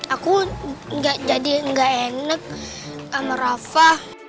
aku jadi gak enak sama rafa